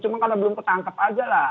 cuma karena belum tertangkap aja lah